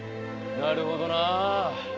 なるほどなぁ。